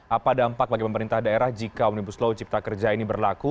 apa dampak bagi pemerintah daerah jika omnibus law cipta kerja ini berlaku